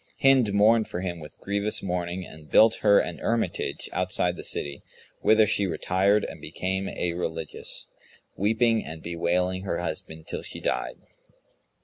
Hind mourned for him with grievous mourning and built her an hermitage outside the city, whither she retired and became a religious, weeping and bewailing her husband till she died.